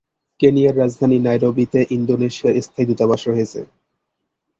কেনিয়ার রাজধানী নাইরোবিতে ইন্দোনেশিয়ার স্থায়ী দূতাবাস রয়েছে।